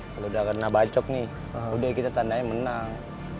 kalau udah kena bacok nih udah kita tandanya menang